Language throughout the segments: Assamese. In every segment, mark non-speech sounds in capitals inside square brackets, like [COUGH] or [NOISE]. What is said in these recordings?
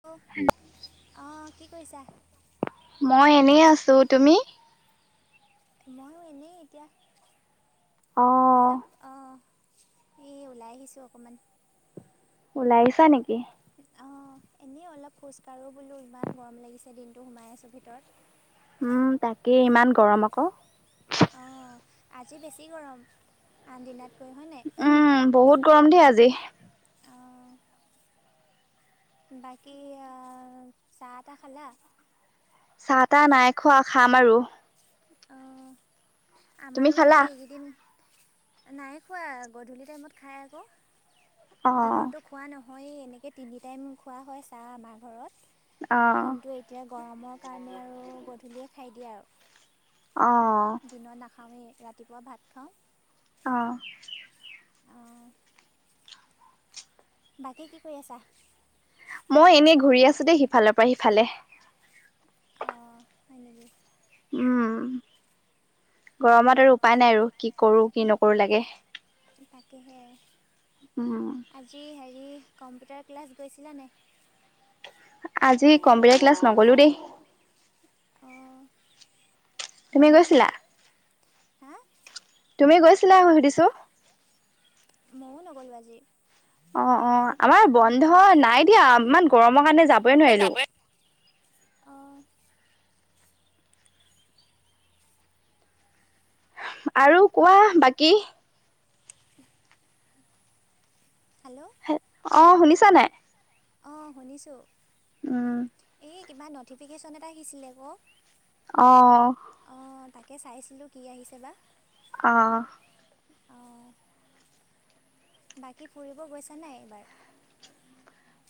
হেল্ল' অ, কি কৰিছা? মই এনেই আছো তুমি? ময়ো এনেই এতিয়া অ', অলপ অ। এই ওলাই আহিছোঁ অকমান। ওলাই আহিছা নেকি। অ'। অ', এনেই অলপ খোজকাঢ়ো বোলো ইমান গৰম লাগিছে দিনটো সোমাই আছোঁ ভিতৰত উম তাকে ইমান গৰম আকৌ। অ, আজি বেছি গৰম আন দিনত উম বহুত গৰম দেই আজি। অঁ বাকী চাহ তাহ খালা? চাহ তাহ নাই খোৱা খাম আৰু। অ, তুমি আমাৰো সেই খালা? এইকেইদিন নাই খোৱা গধূলি টাইমত খায় আকৌ অ', দিনতো খোৱা নহয়। হয় এনেকৈ তিনি টাইম খোৱা হয় চাহ আমাৰ ঘৰত। অ', কিন্তু এতিয়া গৰমৰ কাৰণে আৰু গধূলিয়ে খাই দিয়ে আৰু। অ', দিনত নাখাওঁৱেই ৰাতিপুৱা ভাত খাওঁ। অ'। বাকী কি কৰি আছা? মই এনেই ঘূৰি আছো দেই সিফালৰ পৰা সিফালে। অঁ হয় নেকি। উম গৰমত আৰু উপায় নাই আৰু কি কৰোঁ কি নকৰোঁ লাগে। কিহে উম, আজি হেৰি কম্পিউটাৰ ক্লাছ গৈছিলানে? আজি কম্পিউটাৰ ক্লাছ নগলো দেই। অঁ তুমি বন্ধ গৈছিলা? নেকি হা তুমি গৈছিলা সুধিছো। মইও নগ'লো আজি। অ - অ আমাৰ বন্ধ নাই দিয়া ইমান গৰমৰ কাৰণে যাবই নোৱাৰিলো। অ', আৰু কোৱা বাকী? [INAUDIBLE] অ, শুনিছা নাই। অ, শুনিছো। উম, এই কিবা ন'টিফিকেশ্যন এটা আহিছিলে। অ, অ, তাকে চাইছিলো কি আহিছে বা অ', অ', বাকী ফুৰিব গৈছা নাই এইবাৰ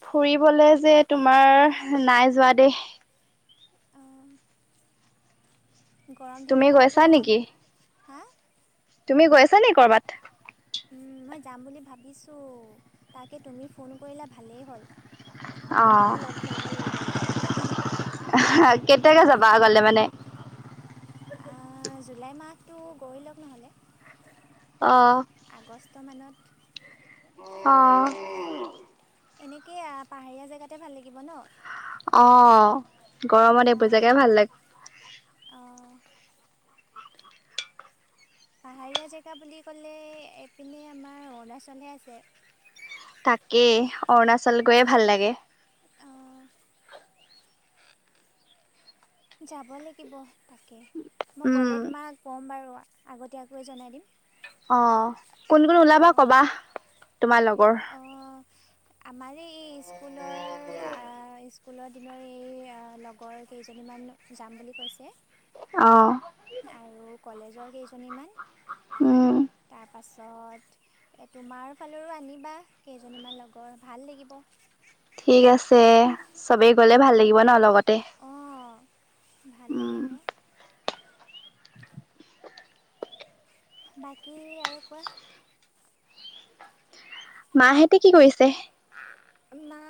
ফুৰিবলে যে তোমাৰ নাই যোৱা দেই। অঁ গৰম তুমি দিনত গৈছা আকৌ নেকি হা তুমি গৈছা নে কৰ'বাত। মই যাম বুলি ভাবিছো তাকে তুমি ফোন কৰিলা ভালেই হ'ল। অ, তোমাকো লগ ধৰিব লাগিব এইবাৰ কেতিয়াকে যাবা আগলে মা [UNINTELLIGIBLE] [UNINTELLIGIBLE] জুলাই মাহটো গৈ লওক নহ'লে। অ আগষ্ট মানত। অহ', এনেকে পাহাৰীয়া জেগাতে ভাল লাগিব ন। অ, গৰমত এইবোৰ অঁ জেগাই ভাল লা [UNINTELLIGIBLE] অঁ পাহাৰীয়া জেগা বুলি ক'লে এইপিনে আমাৰ অৰুণাচলহে আছে। তাকেই অৰুণাচল গৈয়ে ভাল লাগে। অ', যাব লাগিব তাকে মই গ'লে উম তোমাক ক'ম বাৰু। আগতীয়াকৈয়ে জনাই দিম। অ, কোন - কোন ওলাবা অঁ কবা তোমাৰ লগৰ। আমাৰ এই স্কুলৰ আ ইস [UNINTELLIGIBLE] কুলৰ দিনৰ এই লগৰ কেইজনীমান যাম বুলি কৈছে। অ', আৰু কলেজৰ কেইজনীমান উম, পাছত তোমাৰ ফালৰো আনিবা কেইজনীমান লগৰ ভাল লাগিব। ঠিক গৈ আছে চবেই গলে ভাল অঁ লাগিব ন লগতে। অঁ ভাল উম, লাগিব। বাকী আৰু কোৱা। মাহেতে কি কৰিছে। মা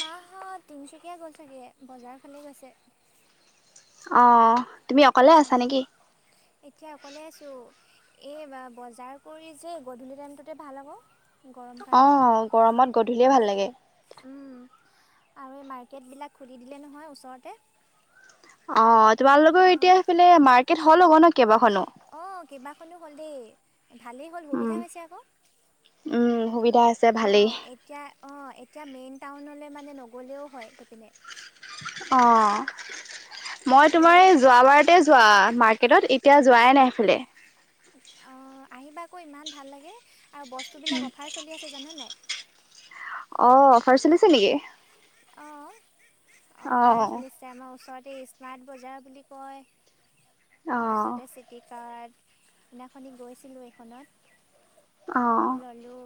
মাহত তিনচুকীয়া গল চাগে বজাৰ ফালে গৈছে। অ', তুমি অকলে অ, আছা নেকি? এতিয়া অকলে আছো। এই বা বজাৰ কৰি যে গধূলি টাইমটোতে ভাল হ'ব। অহ', গৰমত গধূলিয়ে ভাল লাগে। আৰু এই মাৰ্কেট বিলাক খুলি দিলে নহয় ওচৰতে। অ' তোমালোকৰ অঁ এতিয়া সিফালে মাৰ্কেট হ'ল অ'ক ন কেইবাখনো। অ' কেইবাখনো হ'লে ভালেই হ'ল উম, সুবিধা হৈছে আকৌ। উম, সুবিধা আছে ভালেই। অ' এতিয়া অ' এতিয়া মেইন টাউনলৈ মানে নগ'লেও হয় সেইপিনে অ' মই তোমাৰ এই যোৱাবাৰতে যোৱা মা কেইটাত এতিয়া যোৱাই নাই সিফালে অ' আহিবা আকৌ ইমান ভাল লাগে আৰু বস্তু বিলাক অফাৰ চলি আছে জানেনে নাই? অ' অফাৰ চলিছে নেকি? অ' অফাৰ অ', চলিছে আমাৰ ওচৰত দি স্মাৰ্ট বজাৰ বুলি কয়। অ', তাৰপিছতে চিটি কাৰ্ড সিদিনাখনি গৈছিলোঁ অ'। এইখনত ললোঁ।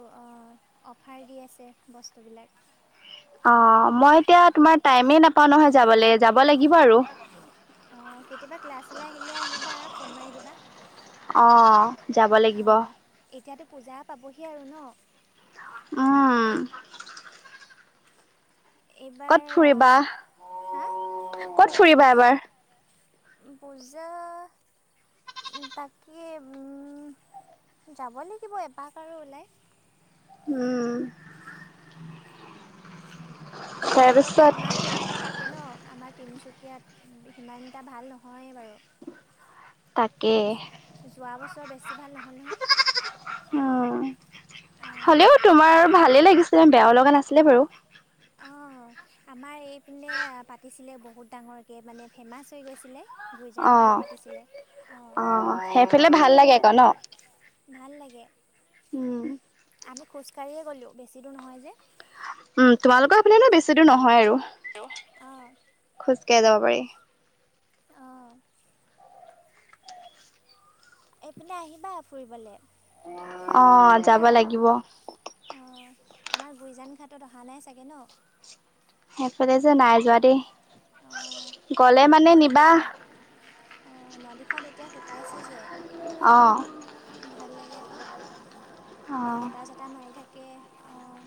অফাৰ দি আছে বস্তুবিলাক। অ' মই এতিয়া তোমাৰ টাইমে নাপাওঁ নহয় যাবলৈ যাব লাগিব আৰু অ' কেতিয়াবা ক্লাছলে আহিলে আহিবা। ফোন মাৰি দিবা। অ' যাব লাগিব। অঁ এতিয়াতো পূজা পাবহি আৰু ন। উম। এইবাৰ ক'ত ফুৰিবা? হা ক'ত ফুৰিবা এবাৰ? পূজা তাকে, উম যাব লাগিব এপাক আৰু ওলাই। উম। বেলেগতো তাৰপিছত ইমান ধুনীয়াকৈ পাতে ন, আমাৰ তিনিচুকীয়াত সিমানটা ভাল নহয় তাকে বাৰু। যোৱা বছৰ বেছি ভাল নহল নহয়। উম, অঁ হ'লেও তোমাৰ ভালে লাগিছিলে, বেয়াও লগা নাছিলে বাৰু। অ', আমাৰ এইপিনে পাতিছিলে বহুত ডাঙৰকৈ মানে, ফেমাচ হৈ গৈছিলে। গুইজান ফালে অ', পাতিছিলে অঁ অ', সেইফালে ভাল লাগে আকৌ ন? ভাল লাগে। উম। আমি খোজকাঢ়িয়ে গ'লো, বেছি দূৰ নহয় যে। উম, তোমালোকৰ হেফালেনো বেছি দূৰ নহয় আৰু। [UNINTELLIGIBLE] অ'। খোজ কাঢ়ি যাব পাৰি। অঁ এইপিনে আহিবা ফুৰিবলে। অ', যাব লাগিব। অঁ আমাৰ গুইজান ঘাটত অহা নাই চাগে ন? সেইফালে যে নাই যোৱা দেই। অ', গ'লে বহুত মানে ভাল নিবা লাগে। অ', ন দিন [UNINTELLIGIBLE] এতিয়া শুকাই আছে যে অ'। ভাল লাগে আকৌ, অ', বতাহ চতাহ মাৰি থাকে অ'।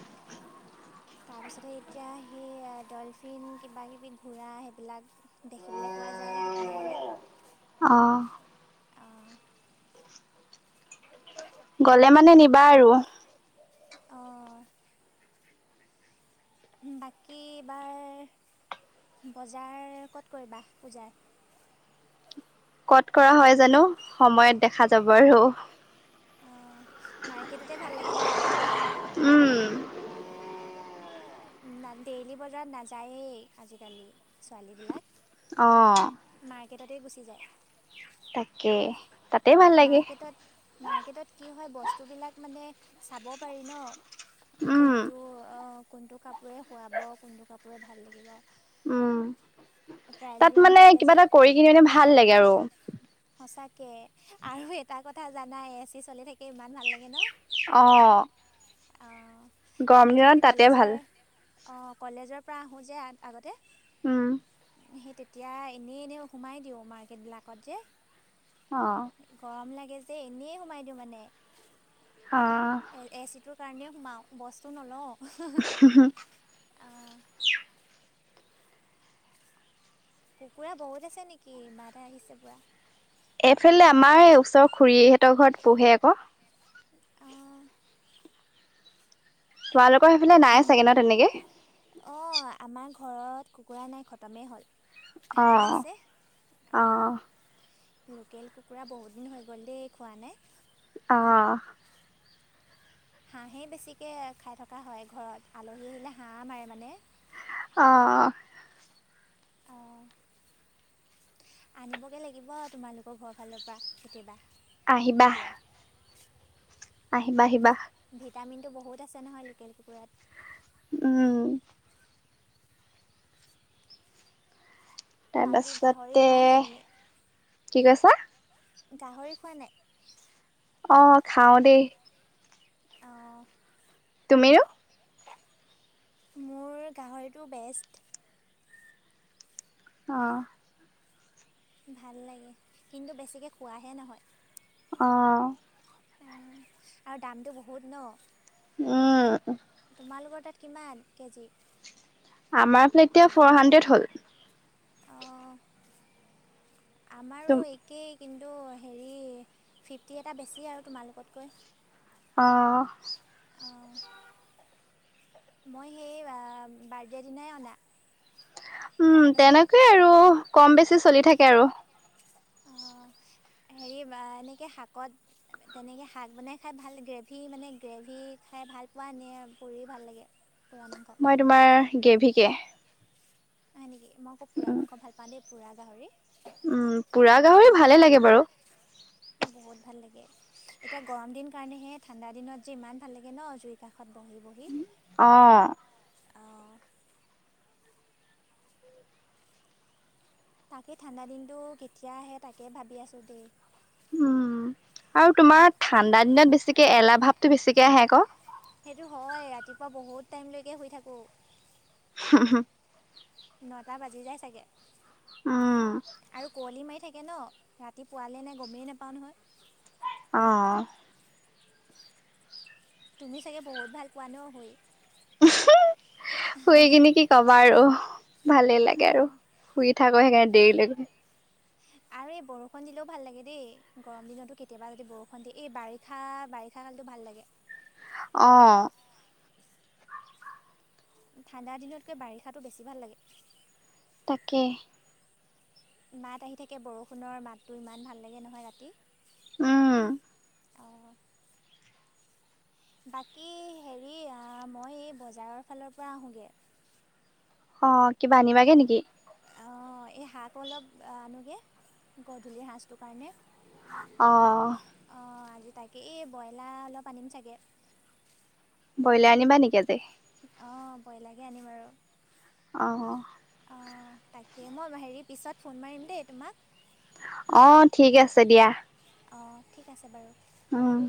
তাৰ পিছতে এতিয়া সেই ডলফিন কিবা কিবি ঘোৰা সেইবিলাক দেখিবলৈ পোৱা যায় সেইপিনে গ'লে। অহ। অঁ গলে মানে নিবা আৰু। অ'। বাকী বাৰ বজাৰ ক'ত কৰিবা পূজাৰ? ক'ত কৰা হয় জানো, সময়ত দেখা যাব আৰু। অঁ মাৰ্কেটতে ভাল লাগে ন আজিকালি? উম। না ডেইলী বজাৰত নাযায়েই আজিকালি ছোৱালী বিলাক। অঁ। তাতেই গুচি যায়। তাকে তাত মাৰ্কেটত-মাৰ্কেটত কি হয় বস্তু বিলাক মানে চাব পাৰি ন? উম কোনটো অ' কোনটো কাপোৰে শোৱাব কোনটো কাপোৰে ভাল লাগিব। উম ট্ৰায়েল তাত ৰুম মানে থাকে কিবা যে এটা কৰি কিনি এনে ভাল লাগে আৰু সচাকে আৰু এটা কথা জানা এ চি চলি থাকে ইমান ভাল লাগে ন? অঁ। অঁ গৰম আগতে আমি দিনত তাতে কলেজৰ ভাল। অঁ কলেজৰ পৰা আহোঁ যে আগতে উম সেই তেতিয়া এনেই এনেই সোমাই দিওঁ মাৰ্কেটবিলাকত যে অ গৰম লাগে যে এনেই সোমাই দিওঁ মানে। অহ। কাৰণে সোমাওঁ, বস্তু নলওঁ আ কুকুৰা বহুত আছে নেকি, বাধা আহিছে পুৰা। এইফালে আমাৰ ওচৰৰ খুৰীহঁতৰ ঘৰত পূহে আকৌ। অ'। তোমালোকৰ সেইফালে আম নাই চাগে ন তেনেকে? অঁ আমাৰ ঘৰত কুকুৰা নাই, খতমেই হ'ল। অ হাঁহ আছে অ অ', লোকেল কুকুৰা বহুত দিন হৈ গ'ল দেই খোৱা নাই। অ'। হাঁহেই বেছিকৈ খাই থকা হয় ঘৰত, আলহী আহিলে হাঁহ মাৰে মানে। অ'। অ'। আনিবগে লাগিব আৰু তোমালোকৰ ঘৰ ফালৰ পৰা কেতিয়াবা। আহিবা। কুকুৰা আহিবা, আহিবা। ভিটামিনটো বহুত আছে নহয় লোকেল কুকুৰাত। উম। বাকী গাহৰি তাৰপাছতে, খোৱা নাই তুমি কি কৈছা? গাহৰি খোৱা নাই? অহ' খাওঁ দেই। অহ' তুমিয়েও মোৰ গাহৰিটো বেষ্ট। আহ। ভাল লাগে। কিন্তু, বেছিকে খোৱাহে নহয়। অহ' উম, আৰু দামটো বহুত ন। উম তোমালোকৰ তাত কিমান কেজি? আমাৰ ফালে এতিয়া ফ'ৰ হাণ্ড্ৰেড হ'ল। অঁ আমাৰো একেই। কিন্তু, হেৰি ফিফটি এটা বেছি আৰু তোমালোকতকৈ। অহ' অ' মই সেই বাৰ্থডে দিনাই অনা উম, তাৰপাছত তেনেকৈয়ে আৰু কম বেছি চলি থাকে আৰু অ' হেৰি কিবা এনেকে শাকত তেনেকে শাক বনাই খাই ভাল লাগে সি মানে গ্ৰেভি মানে গ্ৰেভি খাই ভাল [UNINTELLIGIBLE] এনে পঢ়ি ভাল লাগে। পোৰা মাংস মই তোমাৰ, গেভীকে। হয় নেকি, মই আকৌ পোৰা মাংস ভাল পাওঁ দেই, পোৰা গাহৰি। উম, পুৰা গাহৰি ভালে লাগে বাৰু। বহুত ভাল লাগে এতিয়া গৰম দিন কাৰণেহে, ঠাণ্ডা দিনত যে ইমান ভাল লাগে ন জুই কাস তাত বহি বহি অ', অঁ তাকেই ঠাণ্ডা দিনটো কেতিয়া আহে তাকে ভাবি আছোঁ দেই। উম, আৰু তোমাৰ ঠাণ্ডা দিনত বেছিকে এলাহ ভাৱটো বেছিকে আহে আকৌ। সেইটো হয়, ৰাতিপুৱা বহুত টাইমলৈকে শুই থাকোঁ। হু হু। নটা বাজি যায় চাগে। উম, আৰু কুঁৱলী মাৰি থাকে [UNINTELLIGIBLE] ন', ৰাতিপুৱালে নে গমেই নেপাওঁ নহয়। অ'। তুমি চাগে বহুত ভাল পোৱা ন শুই? শুই কিনি কি কবা আৰু। ভালেই অ লাগে আৰু শুই থাকো সেইকাৰণে দেৰিলৈকে। আ আৰু এই বৰষুণ দিলেও ভাল লাগে দেই, গৰম দিনতো কেতিয়াবা যদি বৰষুণ দিয় এই বাৰিষা বাৰিষা কালতো ভাল। লাগে। অঁ ঠাণ্ডা দিনতকৈ বাৰিষাটো বেছি ভাল লাগে। তাকে মাত আহি থাকে বৰষুণৰ মাতটো ইমান ভাল লাগে নহয় ৰাতি। উম অঁ বাকী হেৰি আ মই এই বজাৰৰ ফালৰ পৰা আহোঁ গৈ। অ কিবা আনিবাগে নেকি? অঁ এই শাক অলপ আনোগৈ গধূলিৰ সাজটোৰ কাৰণে। অঁ অঁ আজি তাকে এই ব্ৰইলাৰ অলপ আনিম চাগে ব্ৰইলাৰ আনিবা নেকি আজি অঁ ব্ৰইলাকে আনিম আৰু আহ অঁ তাকে মই হেৰি পিছত ফোন কৰিম দেই তোমাক অ ঠিক আছে দিয়া অঁ ঠিক আছে বাৰু উম